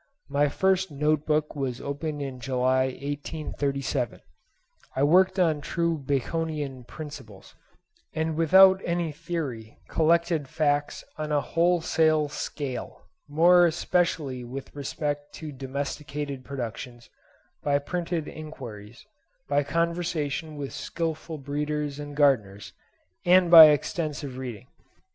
My first note book was opened in July 1837. I worked on true Baconian principles, and without any theory collected facts on a wholesale scale, more especially with respect to domesticated productions, by printed enquiries, by conversation with skilful breeders and gardeners, and by extensive reading.